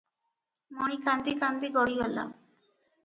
ମଣି କାନ୍ଦି କାନ୍ଦି ଗଡ଼ିଗଲା ।